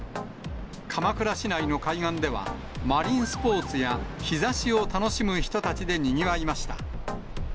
鎌倉市内の海岸では、マリンスポーツや日ざしを楽しむ人たちでにぎわいました。